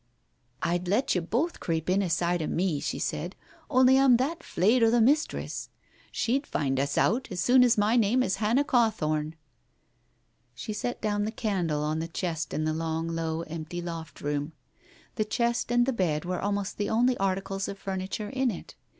"I'd let you both creep in aside o' me," she said, "only I'm that fleyed o' the mistress! She'd find us out, as sure as my name is Hannah Cawthorne." She set down the candle on the chest in the long, low, empty loft room. The chest and the bed were almost the only articles of furniture in it.